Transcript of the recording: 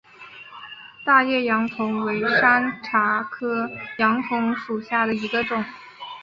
大叶杨桐为山茶科杨桐属下的一个种。